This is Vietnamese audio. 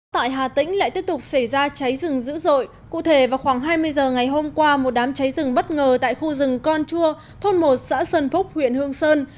tại hà tĩnh lại tiếp tục xảy ra cháy rừng dữ dội cụ thể vào khoảng hai mươi giờ ngày hôm qua một đám cháy rừng bất ngờ tại khu rừng con chua thôn một xã sơn phúc huyện hương sơn